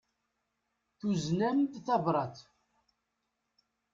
Tuzen-am-d tabrat.